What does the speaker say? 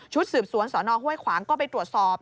สืบสวนสนห้วยขวางก็ไปตรวจสอบ